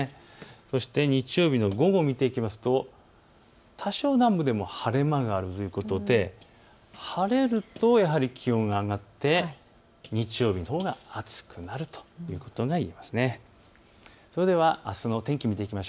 そして日曜日の午後を見ていきますと多少、南部でも晴れ間があるということで晴れるとやはり気温が上がって日曜日のほうが暑くなるということがいえます。